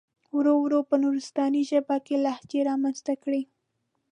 ورو ورو په نورستاني ژبه کې لهجې را منځته کړي.